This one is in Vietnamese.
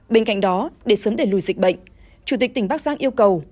bên cạnh đó để sớm đẩy lùi dịch bệnh chủ tịch tỉnh bắc giang yêu cầu